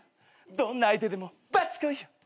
どんな相手でもバッチコイよ。